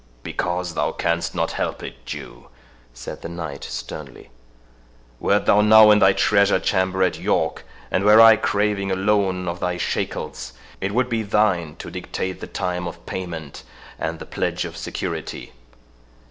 "Because thou canst not help it, Jew," said the knight, sternly. "Wert thou now in thy treasure chamber at York, and were I craving a loan of thy shekels, it would be thine to dictate the time of payment, and the pledge of security.